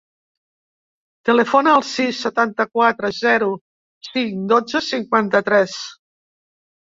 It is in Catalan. Telefona al sis, setanta-quatre, zero, cinc, dotze, cinquanta-tres.